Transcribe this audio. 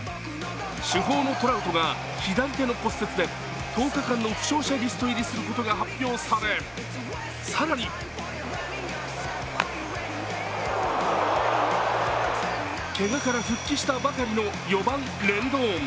主砲のトラウトが左手の骨折で１０日間の負傷者リスト入りすることが発表され、更にけがから復帰したばかりの４番・レンドーン。